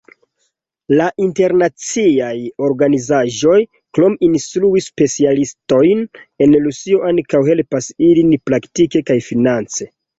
La internaciaj organizaĵoj, krom instrui specialistojn el Rusio, ankaŭ helpas ilin praktike kaj finance.